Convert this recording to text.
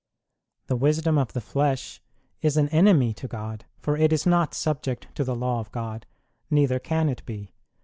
The wisdom of the flesh is an enemy to God ; for it is not subject to the law of God, neither can it be.